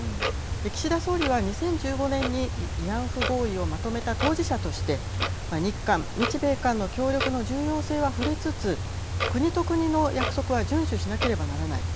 岸田総理は２０１５年に慰安婦合意をまとめた当事者として日韓、日米韓の協力の重要性は触れつつ国と国の約束は順守しなければならない。